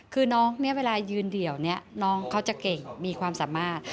คือน้องเวลายืนเดี่ยวน้องเขาจะเก่งมีความสามารถ